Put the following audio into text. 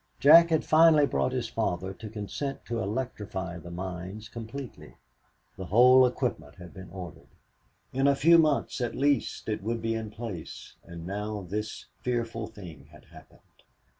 Jack had finally brought his father to consent to electrify the mines completely. The whole equipment had been ordered. In a few months at least it would be in place, and now this fearful thing had happened.